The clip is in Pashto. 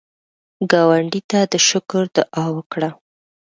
ګاونډي ته د شکر دعا وکړه